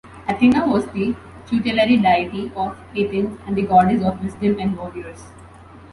Athena was the tutelary deity of Athens and the goddess of wisdom and warriors.